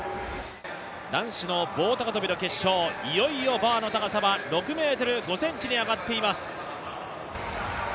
男子の棒高跳の決勝、いよいよバーの高さは６ｍ５ｃｍに上がっています。